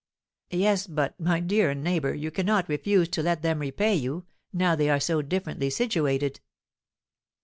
"Yes, but my dear neighbour, you cannot refuse to let them repay you, now they are so differently situated."